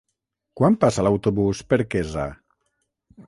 Quan passa l'autobús per Quesa?